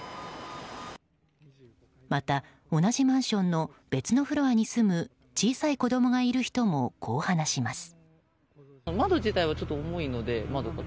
また同じマンションの別のフロアに住む小さい子供がいる人もこう話します。